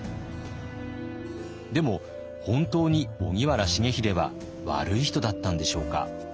でも本当に荻原重秀は悪い人だったんでしょうか？